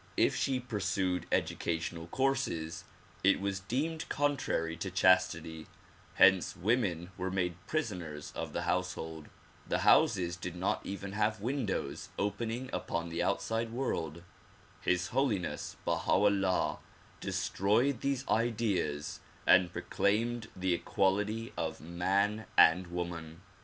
If she pursued educational courses it was deemed con trary to chastity ; hence women w'ere made prisoners of the house hold. The houses did not even have windows opening upon the outside world. His Holiness Baha 'Ullah destroyed these ideas and proclaimed the equality of man and woman.